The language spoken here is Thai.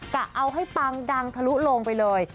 กะเอาให้ปังดังทะลุลงไปเลย